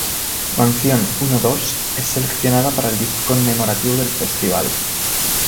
Su canción "Uno, dos…" es seleccionada para el disco conmemorativo del Festival.